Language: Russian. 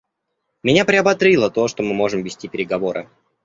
Меня приободрило то, что мы можем вести переговоры.